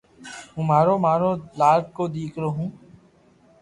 ھون مارو ما رو لاڌڪو ديڪرو ھون